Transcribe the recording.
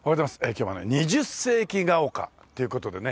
今日はね二十世紀が丘という事でね